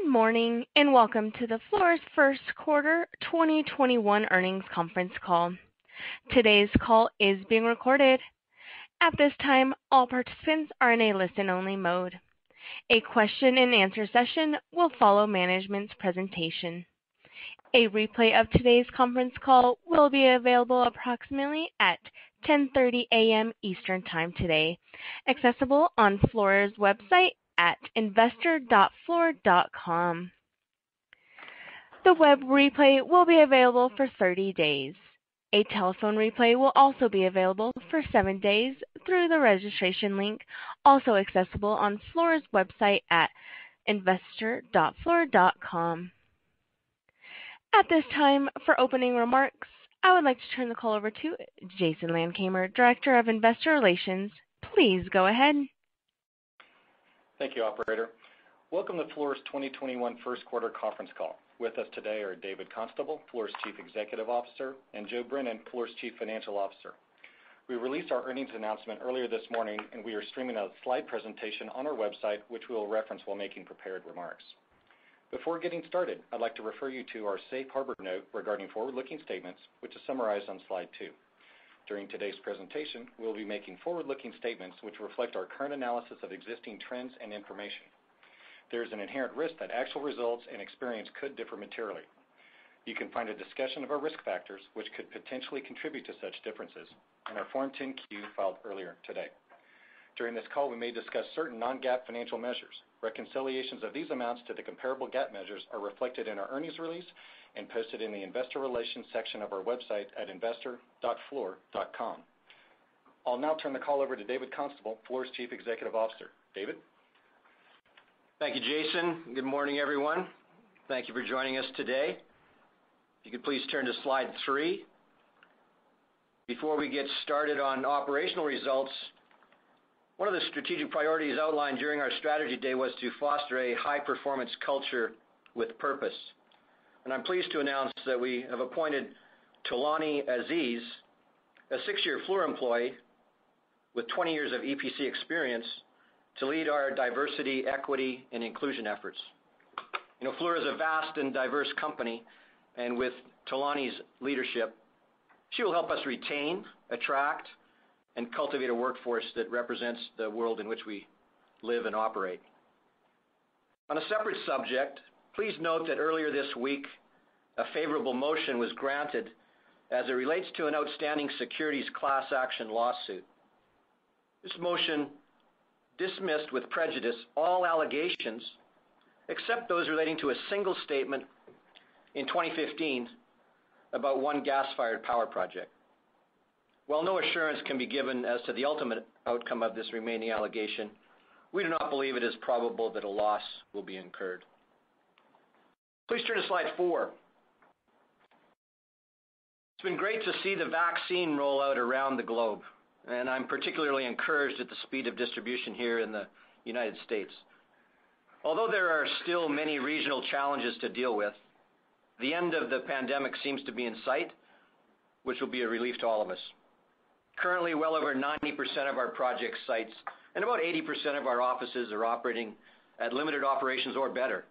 Good morning, welcome to Fluor's first quarter 2021 earnings conference call. Today's call is being recorded. At this time, all participants are in a listen-only mode. A question and answer session will follow management's presentation. A replay of today's conference call will be available approximately at 10:30 A.M. Eastern time today, accessible on Fluor's website at investor.fluor.com. The web replay will be available for 30 days. A telephone replay will also be available for seven days through the registration link, also accessible on Fluor's website at investor.fluor.com. At this time, for opening remarks, I would like to turn the call over to Jason Landkamer, Director of Investor Relations. Please go ahead. Thank you, operator. Welcome to Fluor's 2021 first quarter conference call. With us today are David Constable, Fluor's Chief Executive Officer, and Joe Brennan, Fluor's Chief Financial Officer. We released our earnings announcement earlier this morning. We are streaming a slide presentation on our website, which we'll reference while making prepared remarks. Before getting started, I'd like to refer you to our safe harbor note regarding forward-looking statements, which is summarized on slide two. During today's presentation, we'll be making forward-looking statements which reflect our current analysis of existing trends and information. There is an inherent risk that actual results and experience could differ materially. You can find a discussion of our risk factors, which could potentially contribute to such differences, in our Form 10-Q filed earlier today. During this call, we may discuss certain non-GAAP financial measures. Reconciliations of these amounts to the comparable GAAP measures are reflected in our earnings release and posted in the investor relations section of our website at investor.fluor.com. I'll now turn the call over to David Constable, Fluor's Chief Executive Officer. David? Thank you, Jason. Good morning, everyone. Thank you for joining us today. If you could please turn to slide three. Before we get started on operational results, one of the strategic priorities outlined during our strategy day was to foster a high-performance culture with purpose. I'm pleased to announce that we have appointed Tolani Azeez, a six-year Fluor employee with 20 years of EPC experience, to lead our diversity, equity, and inclusion efforts. Fluor is a vast and diverse company. With Tolani's leadership, she will help us retain, attract, and cultivate a workforce that represents the world in which we live and operate. On a separate subject, please note that earlier this week, a favorable motion was granted as it relates to an outstanding securities class action lawsuit. This motion dismissed with prejudice all allegations except those relating to a single statement in 2015 about one gas-fired power project. While no assurance can be given as to the ultimate outcome of this remaining allegation, we do not believe it is probable that a loss will be incurred. Please turn to slide four. It's been great to see the vaccine roll out around the globe, and I'm particularly encouraged at the speed of distribution here in the United States. Although there are still many regional challenges to deal with, the end of the pandemic seems to be in sight, which will be a relief to all of us. Currently, well over 90% of our project sites and about 80% of our offices are operating at limited operations or better.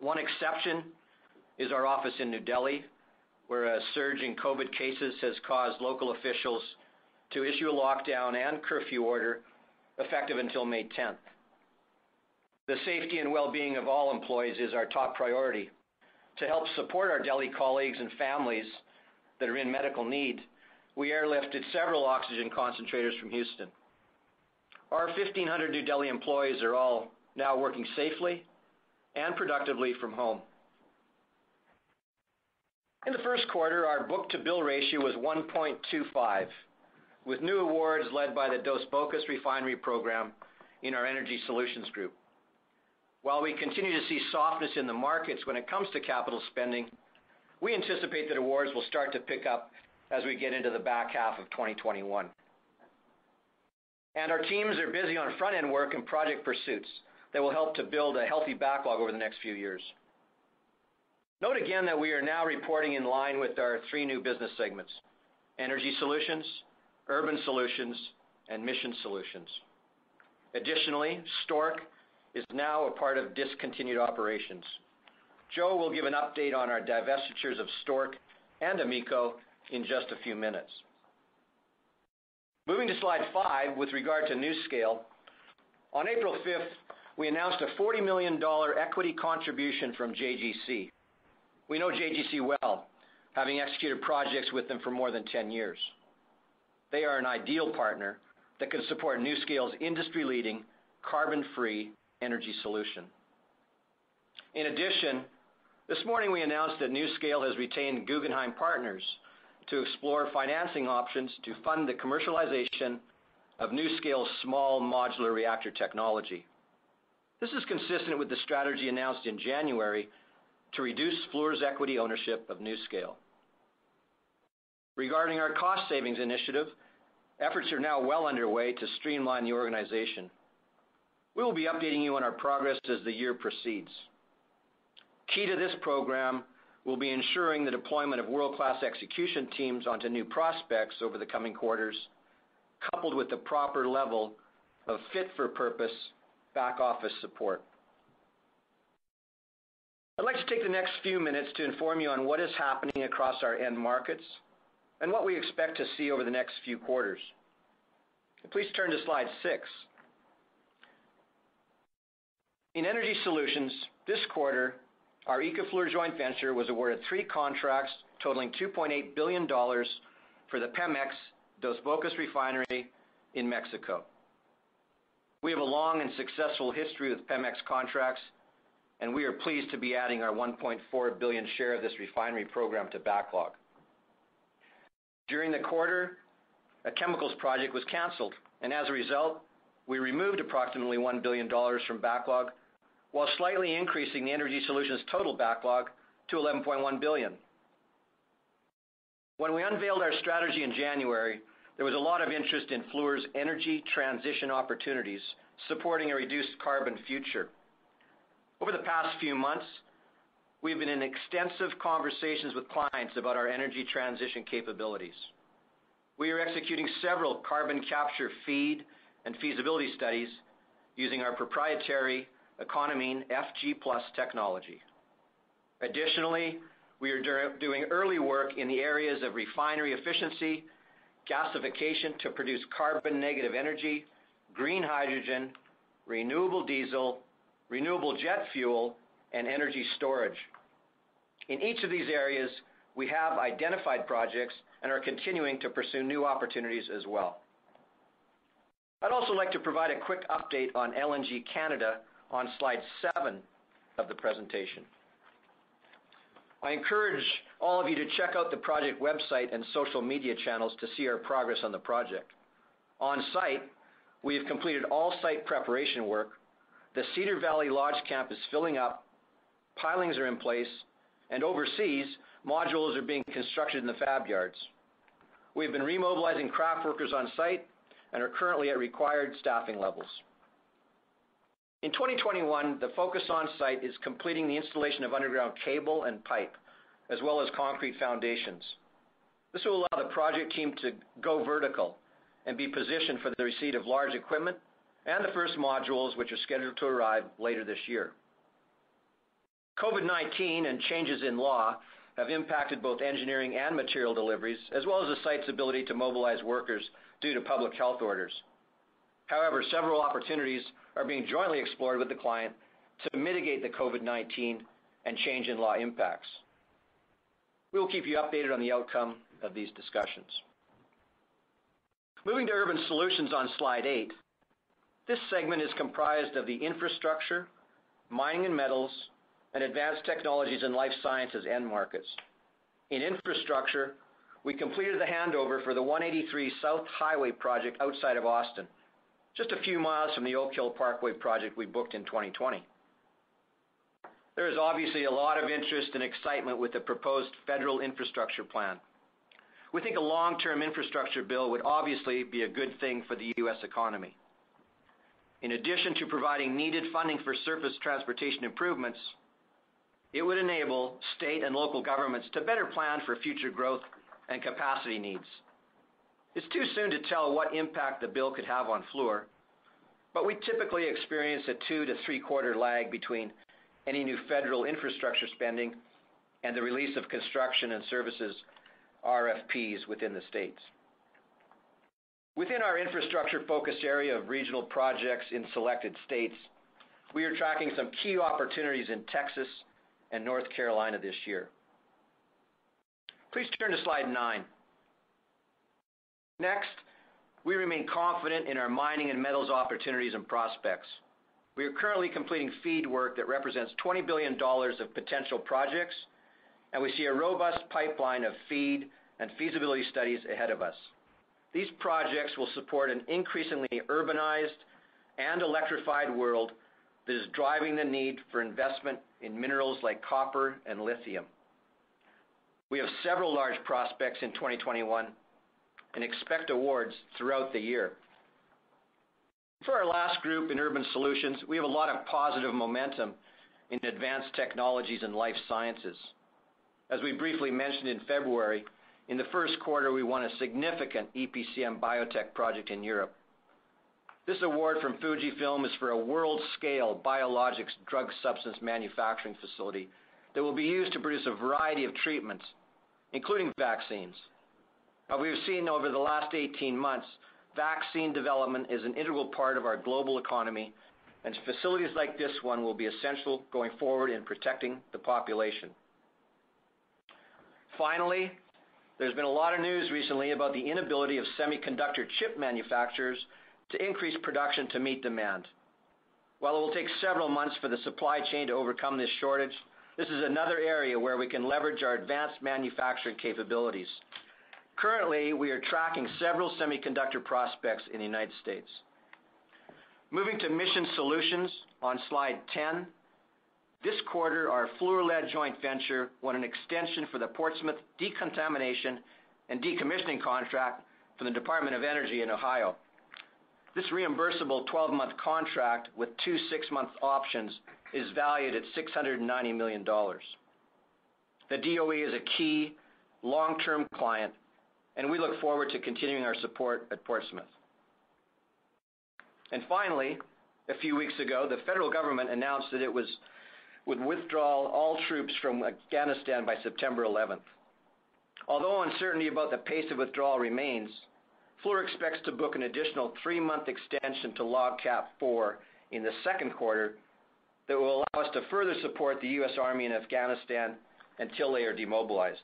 One exception is our office in New Delhi, where a surge in COVID-19 cases has caused local officials to issue a lockdown and curfew order effective until May 10th. The safety and well-being of all employees is our top priority. To help support our Delhi colleagues and families that are in medical need, we airlifted several oxygen concentrators from Houston. Our 1,500 New Delhi employees are all now working safely and productively from home. In the first quarter, our book-to-bill ratio was $1.25, with new awards led by the Dos Bocas refinery program in our Energy Solutions group. While we continue to see softness in the markets when it comes to capital spending, we anticipate that awards will start to pick up as we get into the back half of 2021. Our teams are busy on front-end work and project pursuits that will help to build a healthy backlog over the next few years. Note again that we are now reporting in line with our three new business segments: Energy Solutions, Urban Solutions, and Mission Solutions. Additionally, Stork is now a part of discontinued operations. Joe will give an update on our divestitures of Stork and AMECO in just a few minutes. Moving to slide five with regard to NuScale. On April 5th, we announced a $40 million equity contribution from JGC. We know JGC well, having executed projects with them for more than 10 years. They are an ideal partner that can support NuScale's industry-leading carbon-free energy solution. In addition, this morning we announced that NuScale has retained Guggenheim Partners to explore financing options to fund the commercialization of NuScale's small modular reactor technology. This is consistent with the strategy announced in January to reduce Fluor's equity ownership of NuScale. Regarding our cost savings initiative, efforts are now well underway to streamline the organization. We will be updating you on our progress as the year proceeds. Key to this program will be ensuring the deployment of world-class execution teams onto new prospects over the coming quarters, coupled with the proper level of fit for purpose back office support. I'd like to take the next few minutes to inform you on what is happening across our end markets and what we expect to see over the next few quarters. Please turn to slide six. In Energy Solutions this quarter, our ICA Fluor joint venture was awarded three contracts totaling $2.8 billion for the Pemex Dos Bocas refinery in Mexico. We have a long and successful history with Pemex contracts, and we are pleased to be adding our $1.4 billion share of this refinery program to backlog. During the quarter, a chemicals project was canceled, and as a result, we removed approximately $1 billion from backlog while slightly increasing the Energy Solutions total backlog to $11.1 billion. When we unveiled our strategy in January, there was a lot of interest in Fluor's energy transition opportunities supporting a reduced carbon future. Over the past few months, we've been in extensive conversations with clients about our energy transition capabilities. We are executing several carbon capture feed and feasibility studies using our proprietary Econamine FG Plus technology. Additionally, we are doing early work in the areas of refinery efficiency, gasification to produce carbon negative energy, green hydrogen, renewable diesel, renewable jet fuel, and energy storage. In each of these areas, we have identified projects and are continuing to pursue new opportunities as well. I'd also like to provide a quick update on LNG Canada on slide seven of the presentation. I encourage all of you to check out the project website and social media channels to see our progress on the project. On site, we have completed all site preparation work. The Cedar Valley Lodge campus filling up. Pilings are in place and overseas modules are being constructed in the fab yards. We have been remobilizing craft workers on site and are currently at required staffing levels. In 2021, the focus on site is completing the installation of underground cable and pipe, as well as concrete foundations. This will allow the project team to go vertical and be positioned for the receipt of large equipment and the first modules, which are scheduled to arrive later this year. COVID-19 and changes in law have impacted both engineering and material deliveries, as well as the site's ability to mobilize workers due to public health orders. Several opportunities are being jointly explored with the client to mitigate the COVID-19 and change in law impacts. We will keep you updated on the outcome of these discussions. Moving to Urban Solutions on slide eight. This segment is comprised of the infrastructure, mining and metals, and Advanced Technologies & Life Sciences end markets. In infrastructure, we completed the handover for the 183 South Highway project outside of Austin, just a few miles from the Oak Hill Parkway project we booked in 2020. There is obviously a lot of interest and excitement with the proposed federal infrastructure plan. We think a long-term infrastructure bill would obviously be a good thing for the U.S. economy. In addition to providing needed funding for surface transportation improvements, it would enable state and local governments to better plan for future growth and capacity needs. It's too soon to tell what impact the bill could have on Fluor, but we typically experience a two to three quarter lag between any new federal infrastructure spending and the release of construction and services RFPs within the states. Within our infrastructure focus area of regional projects in selected states, we are tracking some key opportunities in Texas and North Carolina this year. Please turn to slide nine. Next, we remain confident in our mining and metals opportunities and prospects. We are currently completing FEED work that represents $20 billion of potential projects. We see a robust pipeline of FEED and feasibility studies ahead of us. These projects will support an increasingly urbanized and electrified world that is driving the need for investment in minerals like copper and lithium. We have several large prospects in 2021 and expect awards throughout the year. For our last group in Urban Solutions, we have a lot of positive momentum in Advanced Technologies & Life Sciences. As we briefly mentioned in February, in the first quarter, we won a significant EPCM biotech project in Europe. This award from Fujifilm is for a world-scale biologics drug substance manufacturing facility that will be used to produce a variety of treatments, including vaccines. As we've seen over the last 18 months, vaccine development is an integral part of our global economy, and facilities like this one will be essential going forward in protecting the population. There's been a lot of news recently about the inability of semiconductor chip manufacturers to increase production to meet demand. While it will take several months for the supply chain to overcome this shortage, this is another area where we can leverage our advanced manufacturing capabilities. Currently, we are tracking several semiconductor prospects in the United States. Moving to Mission Solutions on slide 10. This quarter, our Fluor-led joint venture won an extension for the Portsmouth Decontamination and Decommissioning contract for the Department of Energy in Ohio. This reimbursable 12-month contract with two six-month options is valued at $690 million. The DOE is a key long-term client, and we look forward to continuing our support at Portsmouth. Finally, a few weeks ago, the federal government announced that it would withdraw all troops from Afghanistan by September 11th. Although uncertainty about the pace of withdrawal remains, Fluor expects to book an additional three-month extension to LOGCAP IV in the second quarter that will allow us to further support the U.S. Army in Afghanistan until they are demobilized.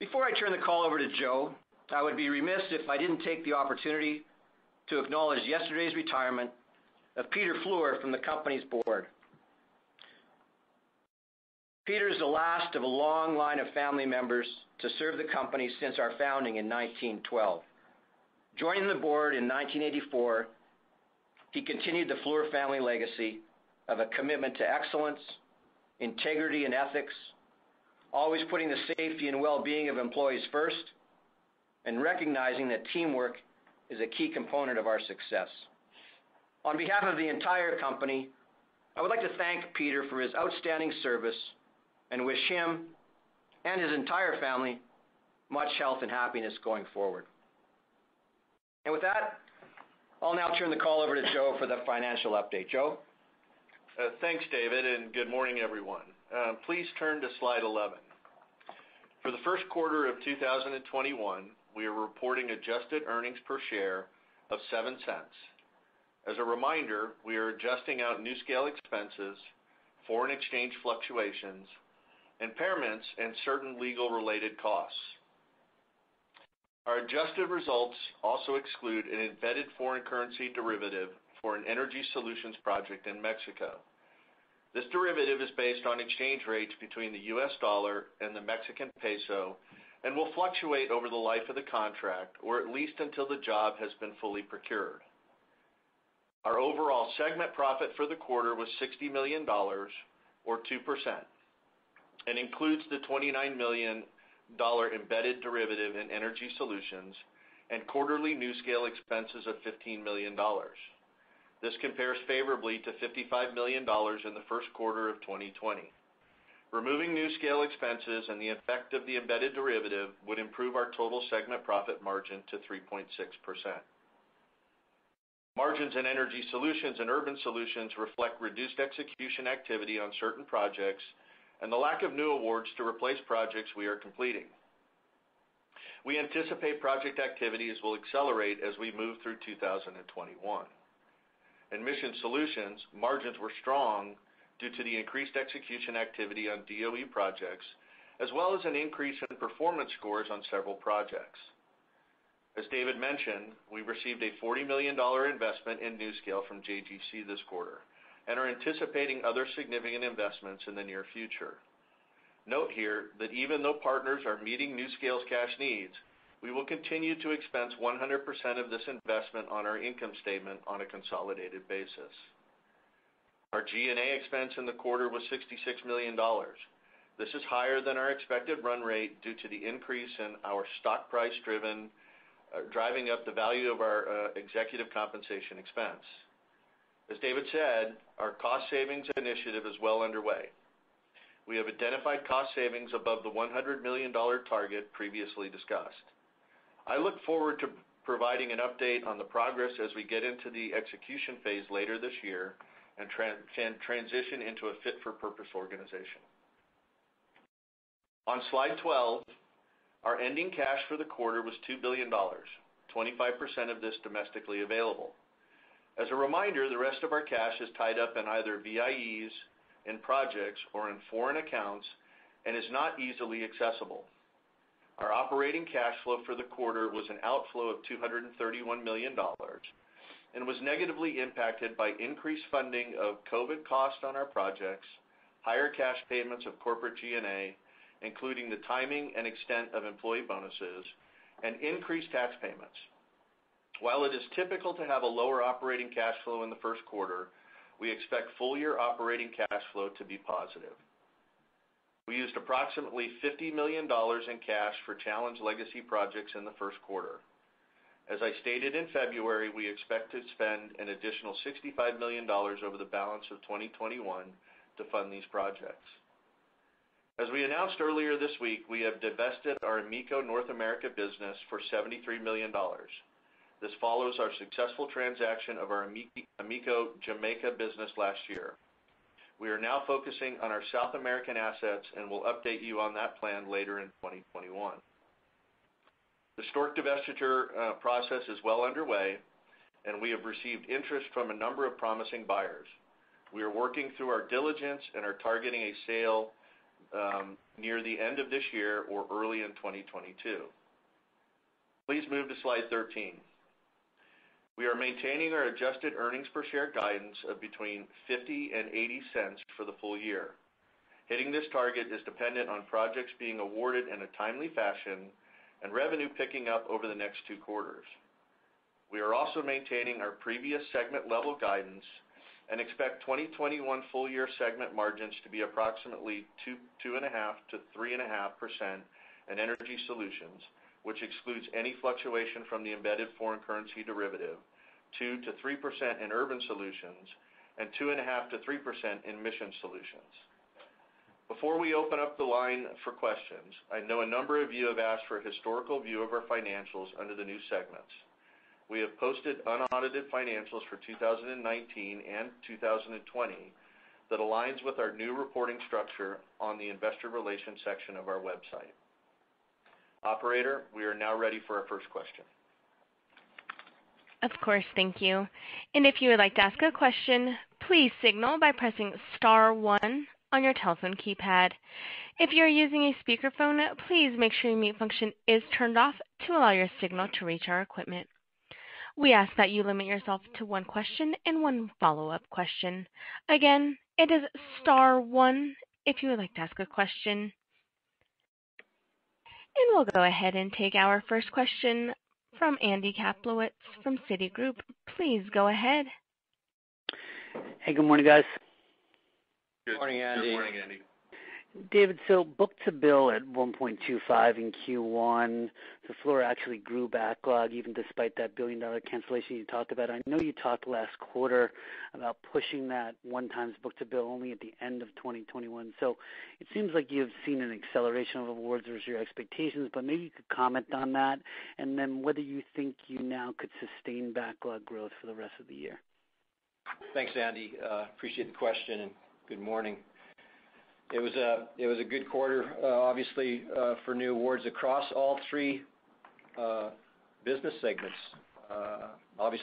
Before I turn the call over to Joe, I would be remiss if I didn't take the opportunity to acknowledge yesterday's retirement of Peter Fluor from the company's board. Peter is the last of a long line of family members to serve the company since our founding in 1912. Joining the board in 1984, he continued the Fluor family legacy of a commitment to excellence, integrity, and ethics, always putting the safety and wellbeing of employees first, and recognizing that teamwork is a key component of our success. On behalf of the entire company, I would like to thank Peter Fluor for his outstanding service and wish him and his entire family much health and happiness going forward. With that, I'll now turn the call over to Joe Brennan for the financial update. Joe. Thanks, David, and good morning, everyone. Please turn to slide 11. For the first quarter of 2021, we are reporting adjusted earnings per share of $0.07. As a reminder, we are adjusting out NuScale expenses, foreign exchange fluctuations, impairments, and certain legal related costs. Our adjusted results also exclude an embedded foreign currency derivative for an Energy Solutions project in Mexico. This derivative is based on exchange rates between the U.S. dollar and the Mexican peso and will fluctuate over the life of the contract, or at least until the job has been fully procured. Our overall segment profit for the quarter was $60 million, or 2%, and includes the $29 million embedded derivative in Energy Solutions and quarterly NuScale expenses of $15 million. This compares favorably to $55 million in the first quarter of 2020. Removing NuScale expenses and the effect of the embedded derivative would improve our total segment profit margin to 3.6%. Margins in Energy Solutions and Urban Solutions reflect reduced execution activity on certain projects and the lack of new awards to replace projects we are completing. We anticipate project activities will accelerate as we move through 2021. In Mission Solutions, margins were strong due to the increased execution activity on DOE projects, as well as an increase in performance scores on several projects. As David mentioned, we received a $40 million investment in NuScale from JGC this quarter and are anticipating other significant investments in the near future. Note here that even though partners are meeting NuScale's cash needs, we will continue to expense 100% of this investment on our income statement on a consolidated basis. Our G&A expense in the quarter was $66 million. This is higher than our expected run rate due to the increase in our stock price driving up the value of our executive compensation expense. As David said, our cost savings initiative is well underway. We have identified cost savings above the $100 million target previously discussed. I look forward to providing an update on the progress as we get into the execution phase later this year and transition into a fit-for-purpose organization. On slide 12, our ending cash for the quarter was $2 billion, 25% of this domestically available. As a reminder, the rest of our cash is tied up in either VIEs, in projects, or in foreign accounts and is not easily accessible. Our operating cash flow for the quarter was an outflow of $231 million and was negatively impacted by increased funding of COVID-19 costs on our projects, higher cash payments of corporate G&A, including the timing and extent of employee bonuses, and increased tax payments. While it is typical to have a lower operating cash flow in the first quarter, we expect full-year operating cash flow to be positive. We used approximately $50 million in cash for challenged legacy projects in the first quarter. As I stated in February, we expect to spend an additional $65 million over the balance of 2021 to fund these projects. As we announced earlier this week, we have divested our AMECO North America business for $73 million. This follows our successful transaction of our AMECO Jamaica business last year. We are now focusing on our South American assets and will update you on that plan later in 2021. The Stork divestiture process is well underway, and we have received interest from a number of promising buyers. We are working through our diligence and are targeting a sale near the end of this year or early in 2022. Please move to slide 13. We are maintaining our adjusted earnings per share guidance of between $0.50 and $0.80 for the full year. Hitting this target is dependent on projects being awarded in a timely fashion and revenue picking up over the next two quarters. We are also maintaining our previous segment-level guidance and expect 2021 full-year segment margins to be approximately 2.5%-3.5% in Energy Solutions, which excludes any fluctuation from the embedded foreign currency derivative, 2%-3% in Urban Solutions, and 2.5%-3% in Mission Solutions. Before we open up the line for questions, I know a number of you have asked for a historical view of our financials under the new segments. We have posted unaudited financials for 2019 and 2020 that aligns with our new reporting structure on the investor relations section of our website. Operator, we are now ready for our first question. Of course. Thank you. If you would like to ask a question, please signal by pressing star one on your telephone keypad. If you are using a speakerphone, please make sure your mute function is turned off to allow your signal to reach our equipment. We ask that you limit yourself to one question and one follow-up question. Again, it is star one if you would like to ask a question. We'll go ahead and take our first question from Andy Kaplowitz from Citigroup. Please go ahead. Hey, good morning, guys. Good morning, Andy. Good morning, Andy. David, book-to-bill at $1.25 in Q1. Fluor actually grew backlog even despite that billion-dollar cancellation you talked about. I know you talked last quarter about pushing that one times book-to-bill only at the end of 2021. It seems like you've seen an acceleration of awards versus your expectations, but maybe you could comment on that. Whether you think you now could sustain backlog growth for the rest of the year. Thanks, Andy. Appreciate the question. Good morning. It was a good quarter, obviously, for new awards across all three business segments.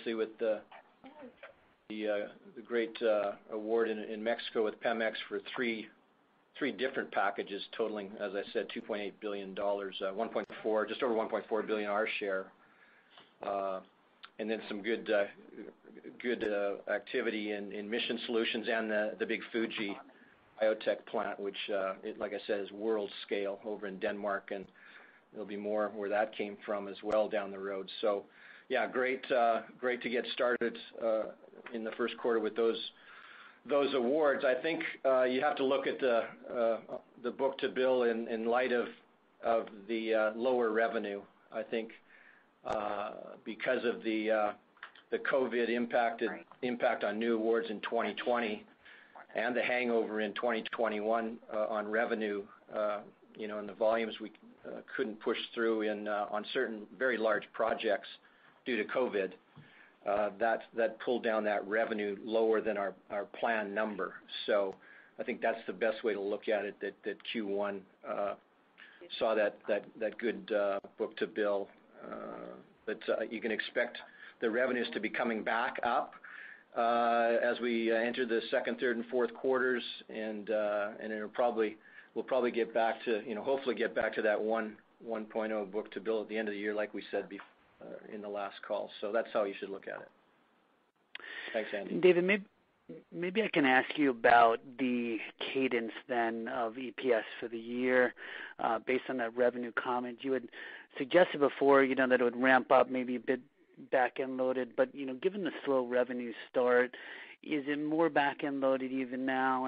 With the great award in Mexico with Pemex for three different packages totaling, as I said, $2.8 billion, just over $1.4 billion our share. Then some good activity in Mission Solutions and the big Fujifilm biotech plant, which, like I said, is world-scale over in Denmark. There'll be more where that came from as well down the road. Yeah, great to get started in the first quarter with those awards. I think you have to look at the book-to-bill in light of the lower revenue. I think because of the COVID-19 impact on new awards in 2020 and the hangover in 2021 on revenue, and the volumes we couldn't push through on certain very large projects due to COVID-19, that pulled down that revenue lower than our planned number. I think that's the best way to look at it, that Q1 saw that good book-to-bill. You can expect the revenues to be coming back up as we enter the second, third, and fourth quarters, and we'll hopefully get back to that $1.0 book-to-bill at the end of the year, like we said in the last call. That's how you should look at it. Thanks, Andy. David, maybe I can ask you about the cadence then of EPS for the year based on that revenue comment. You had suggested before that it would ramp up maybe a bit back-end loaded. Given the slow revenue start, is it more back-end loaded even now?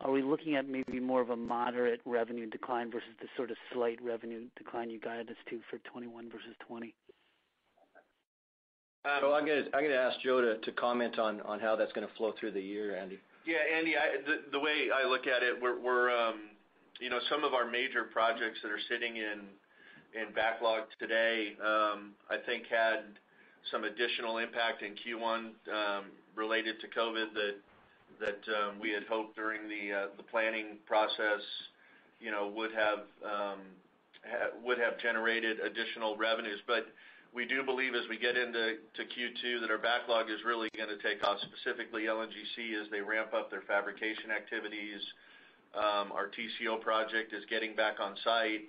Are we looking at maybe more of a moderate revenue decline versus the sort of slight revenue decline you guided us to for 2021 versus 2020? I'm going to ask Joe to comment on how that's going to flow through the year, Andy. Yeah, Andy, the way I look at it, some of our major projects that are sitting in backlog today I think had some additional impact in Q1 related to COVID that we had hoped during the planning process would have generated additional revenues. We do believe as we get into Q2 that our backlog is really going to take off, specifically LNGC as they ramp up their fabrication activities. Our TCO project is getting back on site.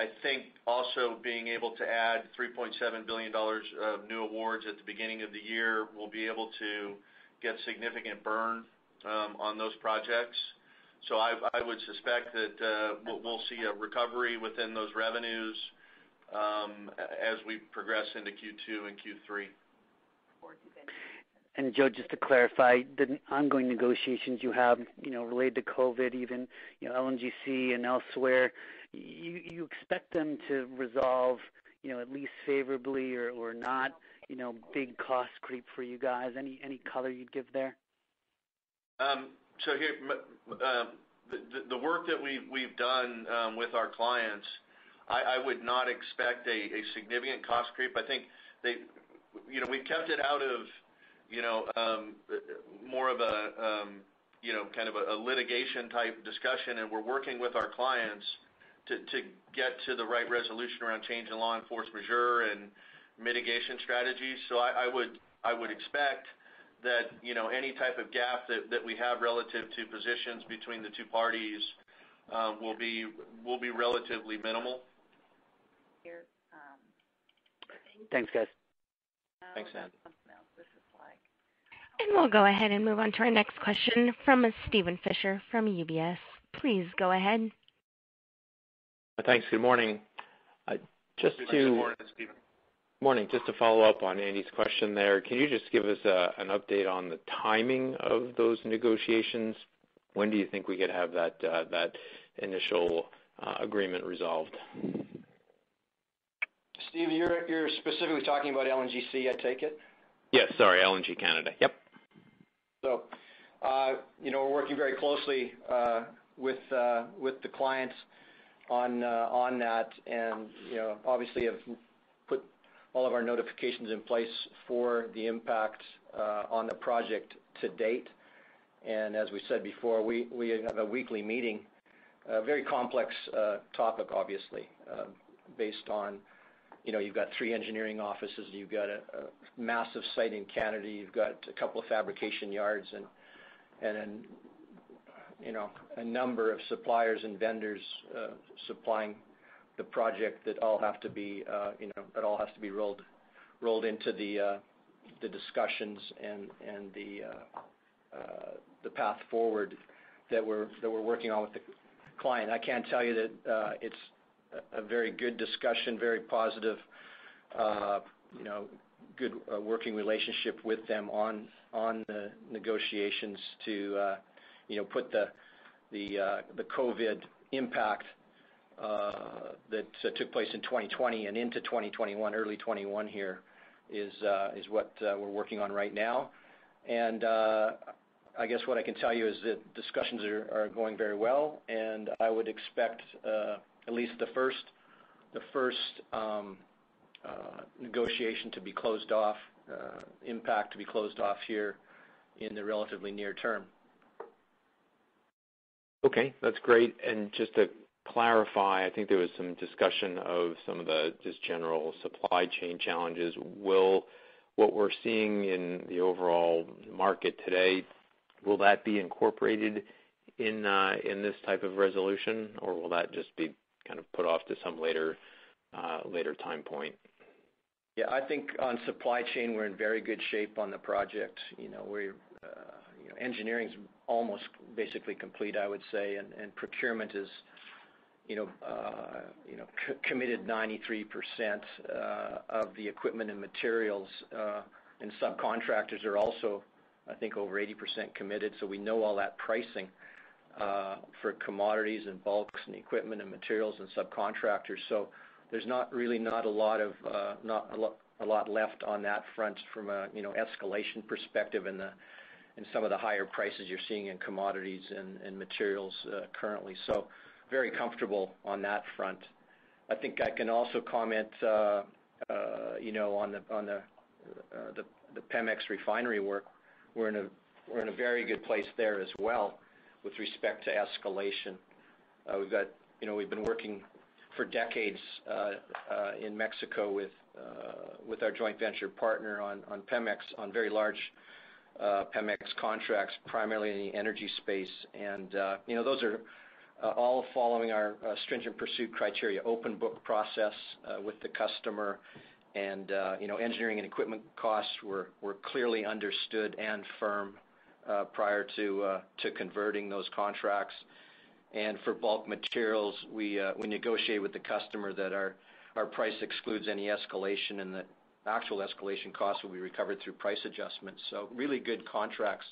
I think also being able to add $3.7 billion of new awards at the beginning of the year, we'll be able to get significant burn on those projects. I would suspect that we'll see a recovery within those revenues as we progress into Q2 and Q3. Joe, just to clarify, the ongoing negotiations you have related to COVID-19 even, LNGC and elsewhere, you expect them to resolve at least favorably or not big cost creep for you guys? Any color you'd give there? The work that we've done with our clients, I would not expect a significant cost creep. I think we've kept it out of more of a litigation-type discussion, and we're working with our clients to get to the right resolution around change in law and force majeure and mitigation strategies. I would expect that any type of gap that we have relative to positions between the two parties will be relatively minimal. Thanks, guys. Thanks, Andy. We'll go ahead and move on to our next question from Steven Fisher from UBS. Please go ahead. Thanks. Good morning. Good morning, Steven. Morning. Just to follow up on Andy's question there, can you just give us an update on the timing of those negotiations? When do you think we could have that initial agreement resolved? Steven, you're specifically talking about LNGC, I take it? Yes. Sorry, LNG Canada. Yep. We're working very closely with the clients on that, and obviously have put all of our notifications in place for the impact on the project to date. As we said before, we have a weekly meeting. A very complex topic, obviously, based on you've got three engineering offices, you've got a massive site in Canada, you've got a couple of fabrication yards, and then a number of suppliers and vendors supplying the project that all have to be rolled into the discussions and the path forward that we're working on with the client. I can tell you that it's a very good discussion, very positive, good working relationship with them on the negotiations to put the COVID impact that took place in 2020 and into early 2021 here is what we're working on right now. I guess what I can tell you is that discussions are going very well, and I would expect at least the first negotiation impact to be closed off here in the relatively near term. Okay, that's great. Just to clarify, I think there was some discussion of some of the just general supply chain challenges. What we're seeing in the overall market today, will that be incorporated in this type of resolution, or will that just be kind of put off to some later time point? On supply chain, we're in very good shape on the project. Engineering's almost basically complete, I would say, and procurement has committed 93% of the equipment and materials. Subcontractors are also, I think, over 80% committed, so we know all that pricing for commodities and bulks and equipment and materials and subcontractors. There's not really a lot left on that front from an escalation perspective in some of the higher prices you're seeing in commodities and materials currently. Very comfortable on that front. I can also comment on the Pemex refinery work. We're in a very good place there as well with respect to escalation. We've been working for decades in Mexico with our joint venture partner on Pemex, on very large Pemex contracts, primarily in the energy space. Those are all following our stringent pursuit criteria, open-book process with the customer, engineering and equipment costs were clearly understood and firm prior to converting those contracts. For bulk materials, we negotiate with the customer that our price excludes any escalation, and the actual escalation cost will be recovered through price adjustments. Really good contracts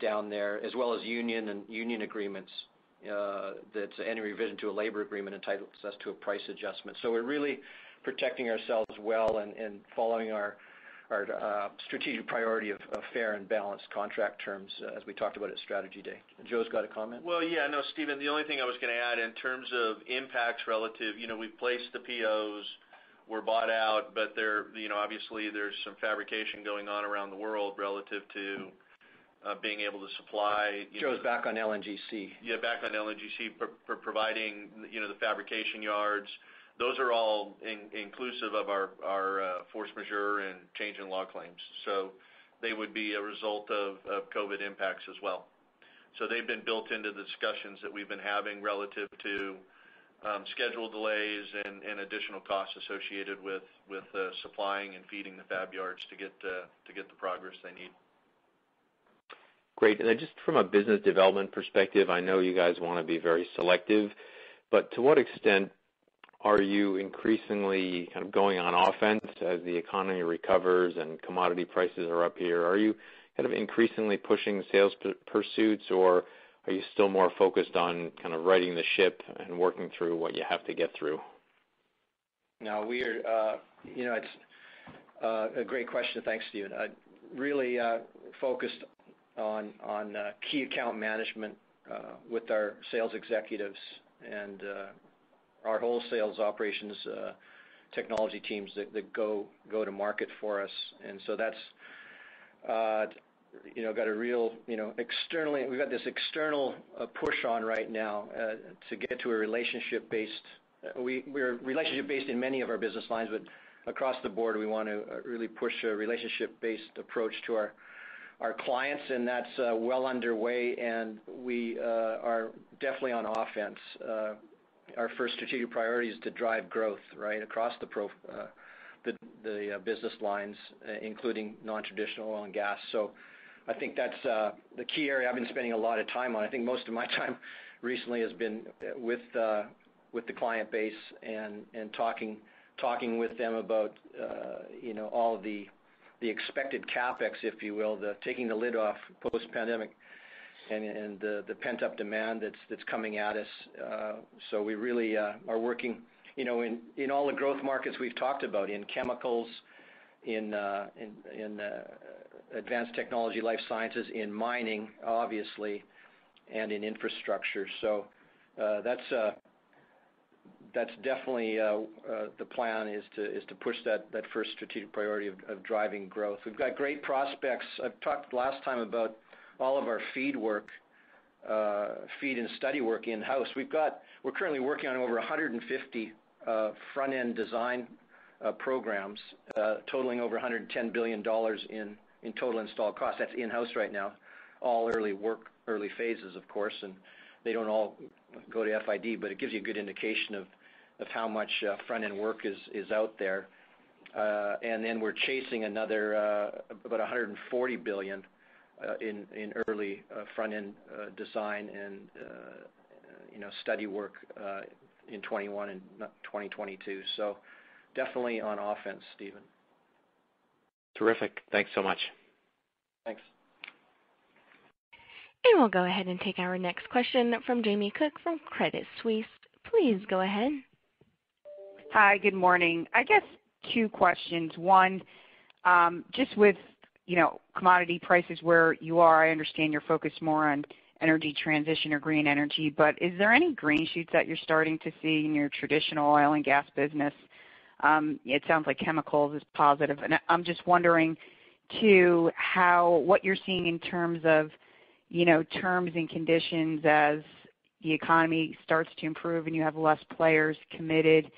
down there, as well as union agreements, that any revision to a labor agreement entitles us to a price adjustment. We're really protecting ourselves well and following our strategic priority of fair and balanced contract terms as we talked about at Strategy Day. Joe's got a comment? Well, yeah. No, Steven, the only thing I was going to add in terms of impacts relative, we've placed the POs, we're bought out, but obviously there's some fabrication going on around the world relative to being able to supply. Joe's back on LNGC. Yeah, back on LNGC for providing the fabrication yards. Those are all inclusive of our force majeure and change-in-law claims. They would be a result of COVID impacts as well. They've been built into the discussions that we've been having relative to schedule delays and additional costs associated with supplying and feeding the fab yards to get the progress they need. Great. Then just from a business development perspective, I know you guys want to be very selective, but to what extent are you increasingly kind of going on offense as the economy recovers and commodity prices are up here? Are you kind of increasingly pushing sales pursuits, or are you still more focused on kind of righting the ship and working through what you have to get through? No, it's a great question. Thanks, Steven. Really focused on key account management with our sales executives and our whole sales operations technology teams that go to market for us. We've got this external push on right now to get to a relationship-based approach. We're relationship-based in many of our business lines, but across the board, we want to really push a relationship-based approach to our clients, and that's well underway, and we are definitely on offense. Our first strategic priority is to drive growth across the business lines, including non-traditional oil and gas. I think that's the key area I've been spending a lot of time on. I think most of my time recently has been with the client base and talking with them about all of the expected CapEx, if you will, the taking the lid off post-pandemic and the pent-up demand that's coming at us. We really are working in all the growth markets we've talked about, in chemicals, in Advanced Technologies & Life Sciences, in mining, obviously, and in infrastructure. That's definitely the plan, is to push that first strategic priority of driving growth. We've got great prospects. I've talked last time about all of our FEED work, FEED and study work in-house. We're currently working on over 150 front-end design programs, totaling over $110 billion in total installed cost. That's in-house right now, all early phases, of course. They don't all go to FID, but it gives you a good indication of how much front-end work is out there. We're chasing another about $140 billion in early front-end design and study work in 2021 and 2022. Definitely on offense, Steven. Terrific. Thanks so much. Thanks. We'll go ahead and take our next question from Jamie Cook from Credit Suisse. Please go ahead. Hi. Good morning. I guess two questions. One, just with commodity prices where you are, I understand you're focused more on energy transition or green energy, is there any green shoots that you're starting to see in your traditional oil and gas business? It sounds like chemicals is positive. I'm just wondering, too, what you're seeing in terms of terms and conditions as the economy starts to improve and you have less players committed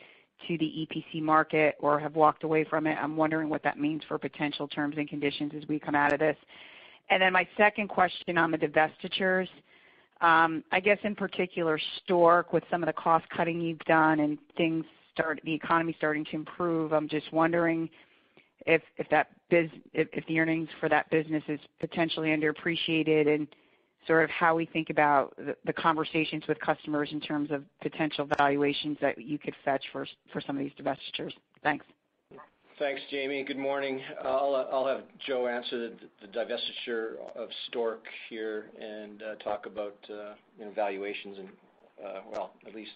to the EPC market or have walked away from it. I'm wondering what that means for potential terms and conditions as we come out of this. My second question on the divestitures. I guess in particular, Stork, with some of the cost-cutting you've done and the economy starting to improve, I'm just wondering if the earnings for that business is potentially underappreciated and how we think about the conversations with customers in terms of potential valuations that you could fetch for some of these divestitures. Thanks. Thanks, Jamie, good morning. I'll have Joe answer the divestiture of Stork here and talk about valuations and, well, at least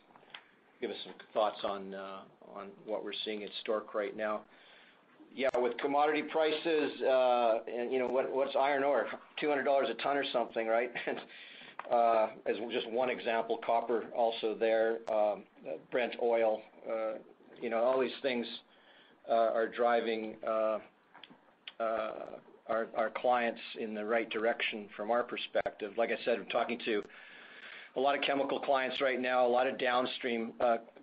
give us some thoughts on what we're seeing at Stork right now. Yeah, with commodity prices, what's iron ore? $200 a ton or something, right? As just one example, copper also there, Brent Crude, all these things are driving our clients in the right direction from our perspective. Like I said, I'm talking to a lot of chemical clients right now, a lot of downstream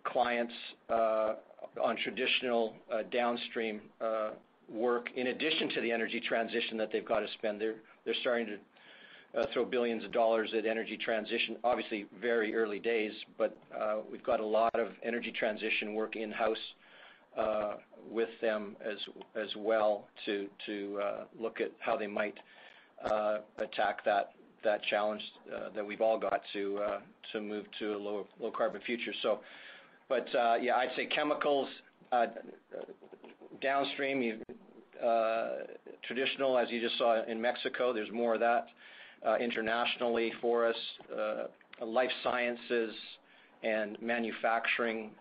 clients on traditional downstream work, in addition to the energy transition that they've got to spend. They're starting to throw billions of dollars at energy transition. Obviously, very early days, but we've got a lot of energy transition work in-house with them as well to look at how they might attack that challenge that we've all got to move to a low-carbon future. Yeah, I'd say chemicals downstream, traditional, as you just saw in Mexico, there's more of that internationally for us. Life Sciences and manufacturing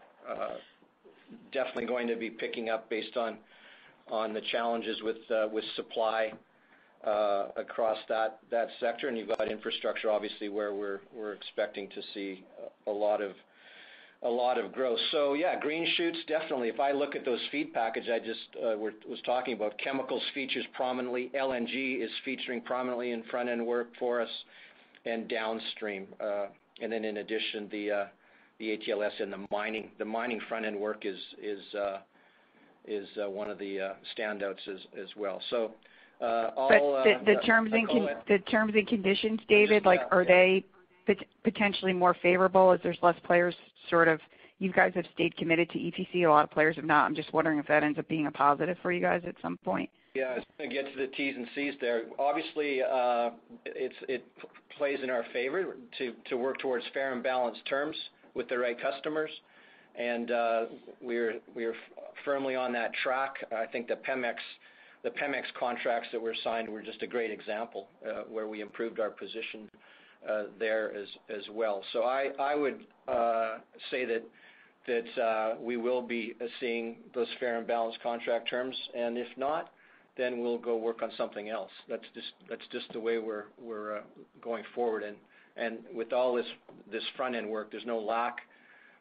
definitely going to be picking up based on the challenges with supply across that sector. You've got infrastructure, obviously, where we're expecting to see a lot of growth. Yeah, green shoots, definitely. If I look at those feed package I just was talking about, chemicals features prominently, LNG is featuring prominently in front-end work for us and downstream. Then in addition, the ATLS and the mining front-end work is one of the standouts as well. But the terms and conditions, David, are they potentially more favorable as there's less players sort of? You guys have stayed committed to EPC, a lot of players have not. I'm just wondering if that ends up being a positive for you guys at some point. Yeah, to get to the T's and C's there. Obviously, it plays in our favor to work towards fair and balanced terms with the right customers, and we are firmly on that track. I think the Pemex contracts that were signed were just a great example where we improved our position there as well. I would say that we will be seeing those fair and balanced contract terms, and if not, then we'll go work on something else. That's just the way we're going forward. With all this front-end work, there's no lack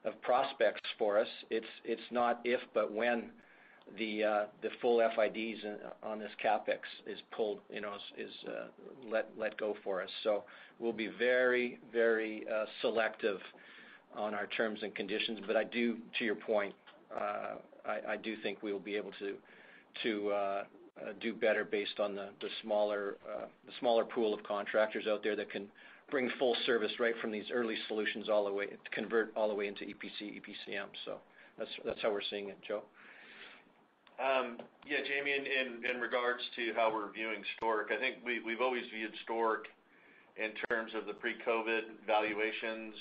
of prospects for us. It's not if but when the full FIDs on this CapEx is let go for us. We'll be very selective on our terms and conditions. To your point, I do think we will be able to do better based on the smaller pool of contractors out there that can bring full service right from these early solutions to convert all the way into EPC, EPCM. That's how we're seeing it, Joe. Yeah, Jamie, in regards to how we're viewing Stork, I think we've always viewed Stork in terms of the pre-COVID valuations.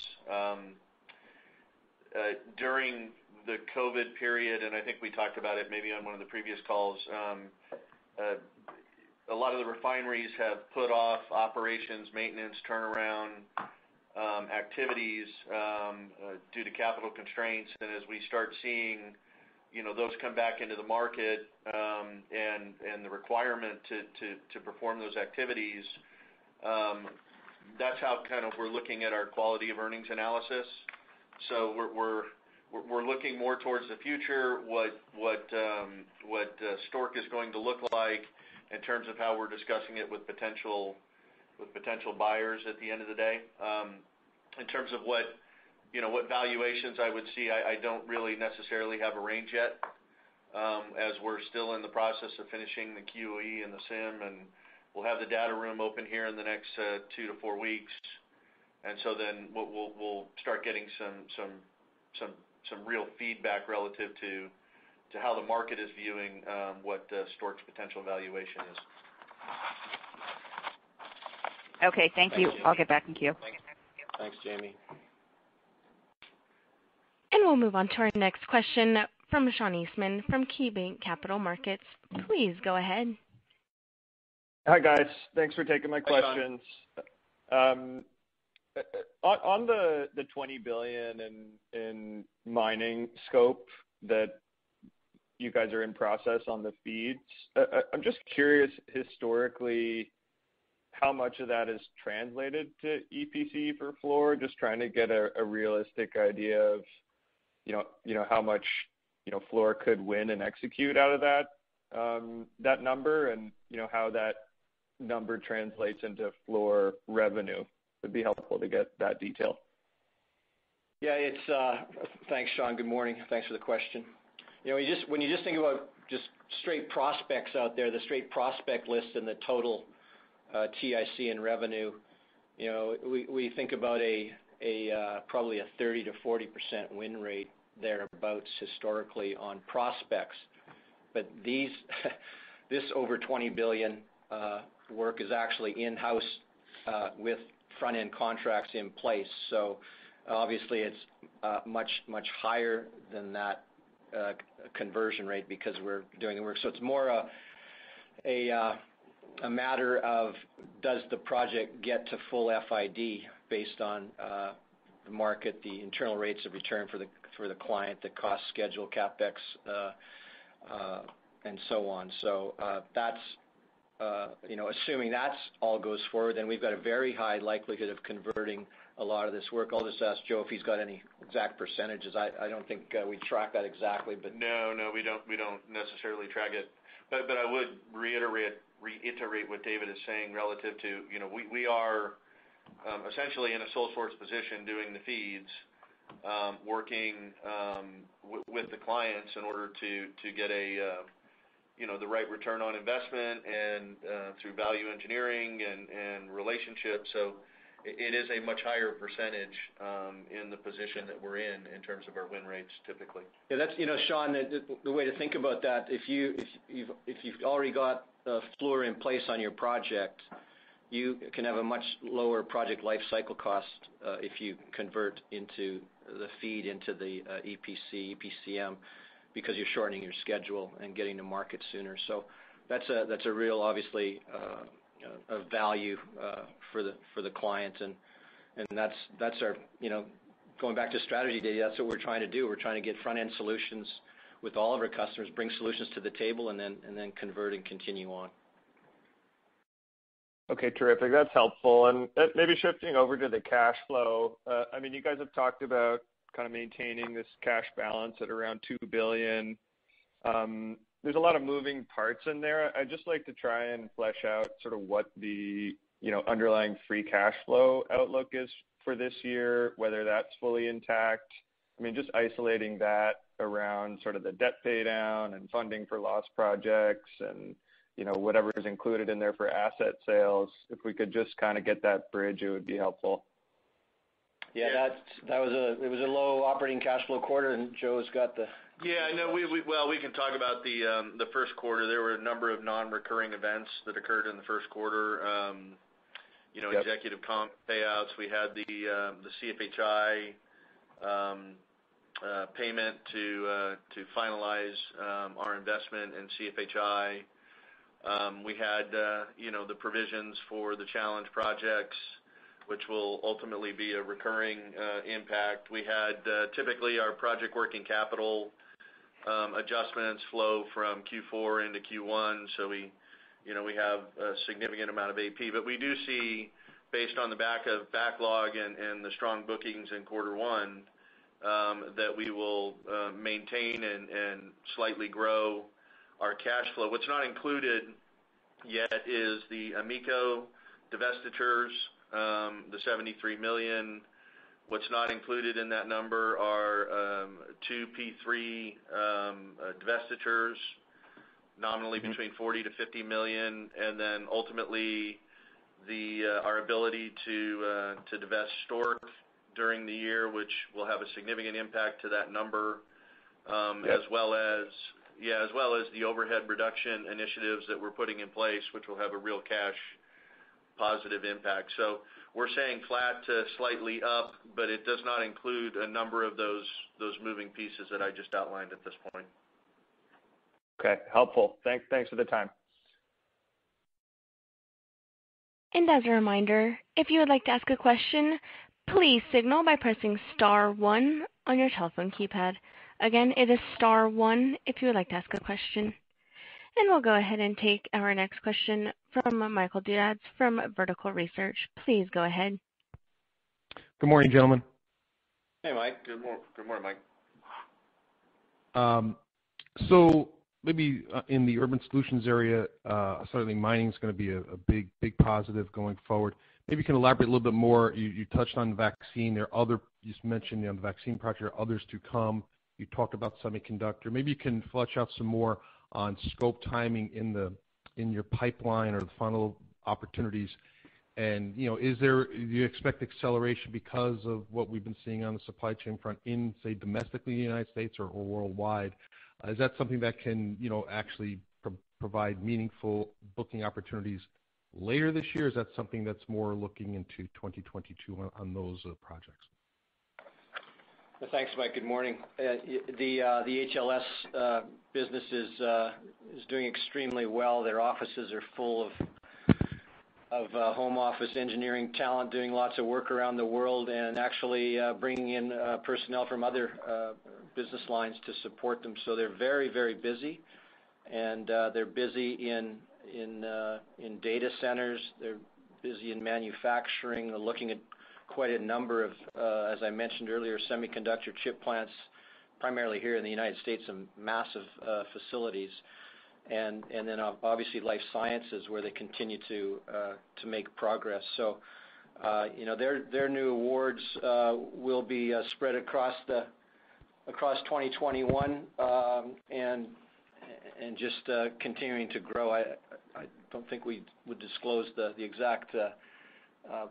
During the COVID period, and I think we talked about it maybe on one of the previous calls, a lot of the refineries have put off operations, maintenance, turnaround activities due to capital constraints. As we start seeing those come back into the market, and the requirement to perform those activities, that's how we're looking at our Quality of Earnings analysis. We're looking more towards the future, what Stork is going to look like in terms of how we're discussing it with potential buyers at the end of the day. In terms of what valuations I would see, I don't really necessarily have a range yet, as we're still in the process of finishing the QofE and the CIM, and we'll have the data room open here in the next two to four weeks. We'll start getting some real feedback relative to how the market is viewing what Stork's potential valuation is. Okay, thank you. Thank you. I'll get back in queue. Thanks, Jamie. We'll move on to our next question from Sean Eastman from KeyBanc Capital Markets. Please go ahead. Hi, guys. Thanks for taking my questions. Hi, Sean. On the $20 billion in mining scope that you guys are in process on the FEEDs, I'm just curious, historically, how much of that has translated to EPC for Fluor? Just trying to get a realistic idea of how much Fluor could win and execute out of that number, and how that number translates into Fluor revenue. It would be helpful to get that detail. Thanks, Sean. Good morning. Thanks for the question. When you think about just straight prospects out there, the straight prospect list and the total TIC in revenue, we think about probably a 30%-40% win rate thereabouts historically on prospects. This over $20 billion work is actually in-house with front-end contracts in place. Obviously, it's much, much higher than that conversion rate because we're doing the work. It's more a matter of does the project get to full FID based on the market, the internal rates of return for the client, the cost schedule, CapEx, and so on. Assuming that all goes forward, we've got a very high likelihood of converting a lot of this work. I'll just ask Joe if he's got any exact percentages. I don't think we track that exactly. No, we don't necessarily track it. I would reiterate what David is saying relative to, we are essentially in a sole source position doing the feeds, working with the clients in order to get the right return on investment and through value engineering and relationships. It is a much higher percentage in the position that we're in terms of our win rates, typically. Sean, the way to think about that, if you've already got Fluor in place on your project, you can have a much lower project life cycle cost if you convert the feed into the EPC, EPCM, because you're shortening your schedule and getting to market sooner. That's a real, obviously, value for the client. Going back to strategy day, that's what we're trying to do. We're trying to get front-end solutions with all of our customers, bring solutions to the table, and then convert and continue on. Okay, terrific. That's helpful. Maybe shifting over to the cash flow. You guys have talked about maintaining this cash balance at around $2 billion. There's a lot of moving parts in there. I'd just like to try and flesh out what the underlying free cash flow outlook is for this year, whether that's fully intact. Just isolating that around the debt paydown and funding for loss projects and whatever's included in there for asset sales. If we could just get that bridge, it would be helpful. Yeah. It was a low operating cash flow quarter and Joe's got that. Yeah. Well, we can talk about the first quarter. There were a number of non-recurring events that occurred in the first quarter. Yep. Executive comp payouts. We had the CFHI payment to finalize our investment in CFHI. We had the provisions for the challenge projects, which will ultimately be a recurring impact. We had, typically, our project working capital adjustments flow from Q4 into Q1, so we have a significant amount of AP. We do see based on the backlog and the strong bookings in quarter one, that we will maintain and slightly grow our cash flow. What's not included yet is the AMECO divestitures, the $73 million. What's not included in that number are two P3 divestitures. Nominally between $40 million-$50 million, and then ultimately, our ability to divest Stork during the year, which will have a significant impact to that number. Yeah. As well as the overhead reduction initiatives that we're putting in place, which will have a real cash positive impact. We're saying flat to slightly up, but it does not include a number of those moving pieces that I just outlined at this point. Okay. Helpful. Thanks for the time. As a reminder, if you would like to ask a question, please signal by pressing star one on your telephone keypad. Again, it is star one if you would like to ask a question. We'll go ahead and take our next question from Michael Dudas from Vertical Research. Please go ahead. Good morning, gentlemen. Hey, Mike. Good morning, Mike. Maybe in the Urban Solutions, certainly mining's going to be a big positive going forward. Maybe you can elaborate a little bit more? You touched on vaccine there. You just mentioned you have a vaccine project, there are others to come. You talked about semiconductor. Maybe you can flesh out some more on scope timing in your pipeline or the funnel opportunities and, do you expect acceleration because of what we've been seeing on the supply chain front in, say, domestically in the United States or worldwide? Is that something that can actually provide meaningful booking opportunities later this year, or is that something that's more looking into 2022 on those projects? Thanks, Mike. Good morning. The ATLS business is doing extremely well. Their offices are full of home office engineering talent, doing lots of work around the world and actually bringing in personnel from other business lines to support them. They're very busy, and they're busy in data centers. They're busy in manufacturing. They're looking at quite a number of, as I mentioned earlier, semiconductor chip plants, primarily here in the U.S., some massive facilities. Then obviously Life Sciences, where they continue to make progress. Their new awards will be spread across 2021, and just continuing to grow. I don't think we would disclose the exact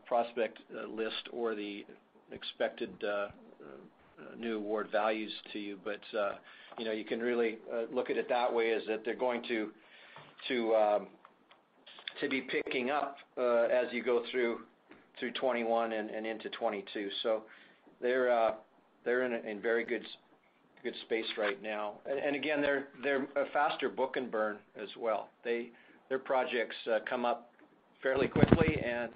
prospect list or the expected new award values to you. You can really look at it that way, is that they're going to be picking up as you go through 2021 and into 2022. They're in very good space right now. Again, they're a faster book-and-burn as well. Their projects come up fairly quickly and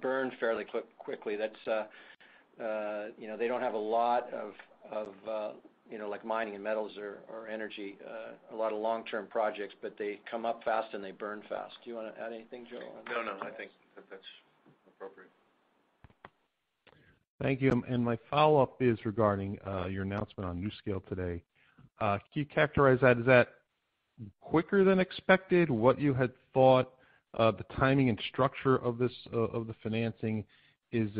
burn fairly quickly. They don't have a lot of mining and metals or energy, a lot of long-term projects, but they come up fast, and they burn fast. Do you want to add anything, Joe? No, I think that that's appropriate. Thank you. My follow-up is regarding your announcement on NuScale today. Can you characterize that? Is that quicker than expected? What you had thought of the timing and structure of the financing is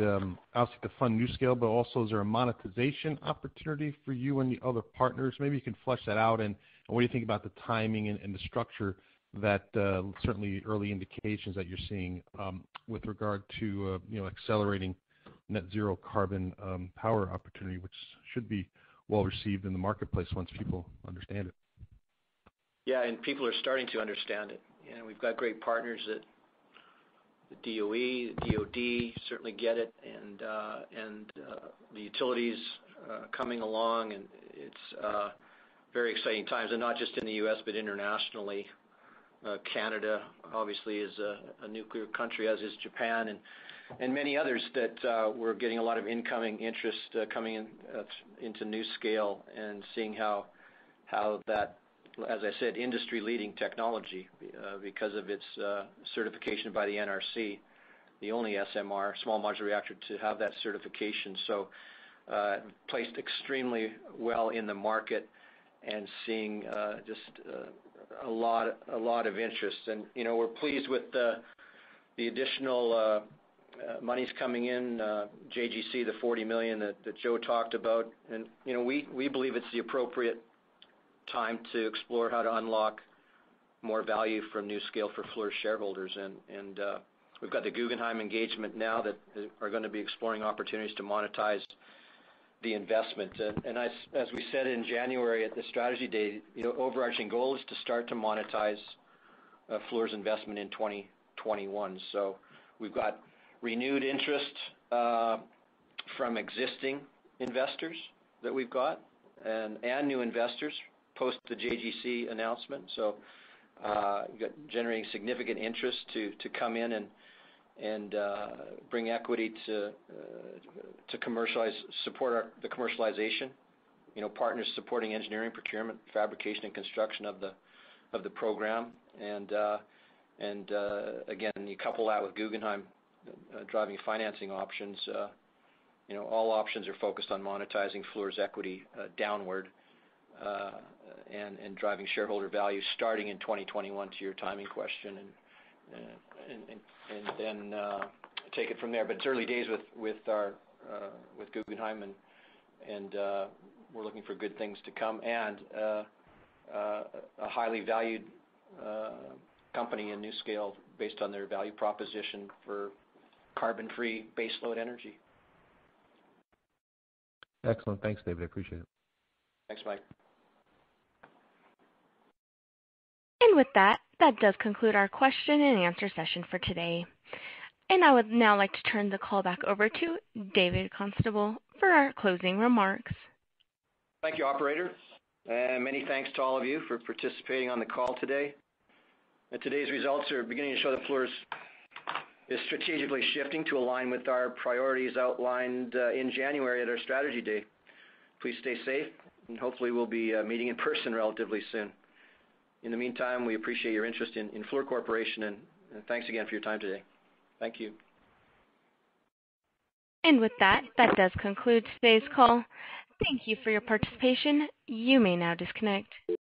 obviously to fund NuScale, but also, is there a monetization opportunity for you and the other partners? Maybe you can flesh that out and what you think about the timing and the structure that certainly early indications that you're seeing with regard to accelerating net zero carbon power opportunity, which should be well-received in the marketplace once people understand it. People are starting to understand it. We've got great partners at the DOE, the DOD certainly get it, and the utilities coming along, and it's very exciting times, and not just in the U.S. but internationally. Canada obviously is a nuclear country, as is Japan and many others that we're getting a lot of incoming interest coming into NuScale and seeing how that, as I said, industry-leading technology because of its certification by the NRC, the only SMR, small modular reactor, to have that certification. Placed extremely well in the market and seeing just a lot of interest. We're pleased with the additional monies coming in, JGC, the $40 million that Joe talked about. We believe it's the appropriate time to explore how to unlock more value from NuScale for Fluor shareholders. We've got the Guggenheim engagement now that are going to be exploring opportunities to monetize the investment. As we said in January at the strategy day, overarching goal is to start to monetize Fluor's investment in 2021. We've got renewed interest from existing investors that we've got and new investors post the JGC announcement. Generating significant interest to come in and bring equity to support the commercialization. Partners supporting engineering, procurement, fabrication, and construction of the program. Again, you couple that with Guggenheim driving financing options. All options are focused on monetizing Fluor's equity downward and driving shareholder value starting in 2021 to your timing question, then take it from there. It's early days with Guggenheim, and we're looking for good things to come, and a highly valued company in NuScale based on their value proposition for carbon-free baseload energy. Excellent. Thanks, David, appreciate it. Thanks, Mike. With that does conclude our question and answer session for today. I would now like to turn the call back over to David Constable for our closing remarks. Thank you, operator. Many thanks to all of you for participating on the call today. Today's results are beginning to show that Fluor is strategically shifting to align with our priorities outlined in January at our strategy day. Please stay safe, and hopefully, we'll be meeting in person relatively soon. In the meantime, we appreciate your interest in Fluor Corporation, and thanks again for your time today. Thank you. With that does conclude today's call. Thank you for your participation. You may now disconnect.